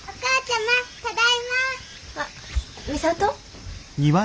あっ美里？